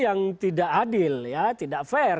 yang tidak adil ya tidak fair